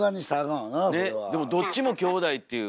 どっちも兄弟っていう。